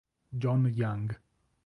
John Young.